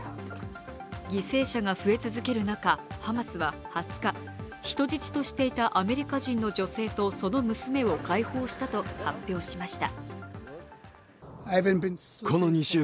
犠牲者が増え続ける中、ハマスは２０日人質としていたアメリカ人の女性とその娘を解放したと発表しました。